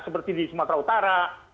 seperti di sumatera utara